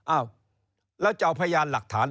อ้าวแล้วจะเอาพยานหลักฐาน